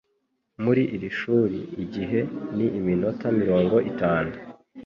Muri iri shuri, igihe ni iminota mirongo itanu.